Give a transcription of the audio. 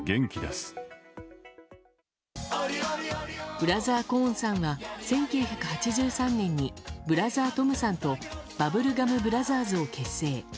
ブラザー・コーンさんは１９８３年にブラザー・トムさんとバブルガム・ブラザーズを結成。